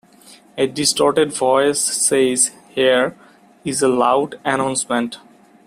A distorted voice says Here is a loud announcement!